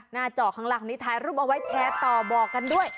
จอข้างล่างนี้ถ่ายรูปเอาไว้แชร์ต่อบอกกันด้วย